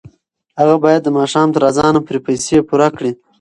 هغه باید د ماښام تر اذانه پورې پیسې پوره کړي.